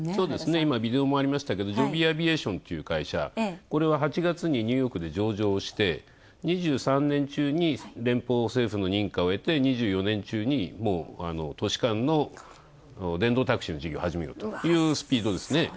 今、ビデオもありましたけどＪｏｂｙＡｖｉａｔｉｏｎという会社、これは８月にニューヨークで上場をして２３年中に連邦政府の認可を得て２４年中に都市間の電動タクシーの事業を始めるというスピードですね。